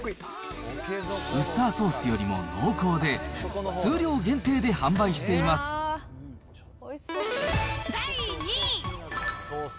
ウスターソースよりも濃厚で、数量限定で販売しています。